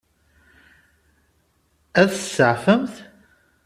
Ad t-tseɛfemt?